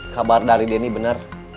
kabar dari denny bener